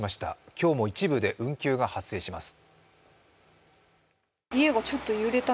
今日も一部で運休が発生します。